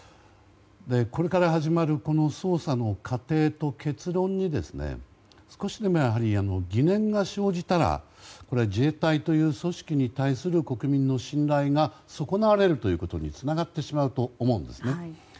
これから始まる捜査の過程と結論に少しでも疑念が生じたら自衛隊という組織に対する国民の信頼が損なわれることにつながってしまうと思うんですね。